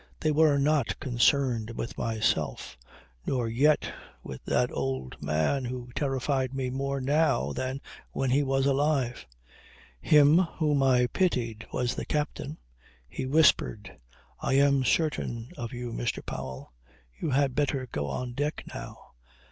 They were not concerned with myself, nor yet with that old man who terrified me more now than when he was alive. Him whom I pitied was the captain. He whispered. "I am certain of you, Mr. Powell. You had better go on deck now.